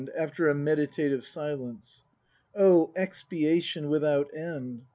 [After a meditative silence.] O expiation without end